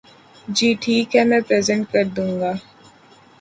جی ٹھیک ہے میں پریزینٹ کردوں گا۔